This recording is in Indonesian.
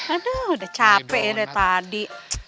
aduh udah capek ya dari tadi